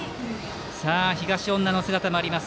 東恩納の姿もあります。